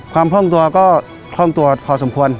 ความคล่องตัวก็คล่องตัวพอสมควร